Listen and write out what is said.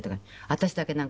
私だけなんかね